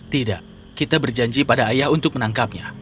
tidak kita berjanji pada ayah untuk menangkapnya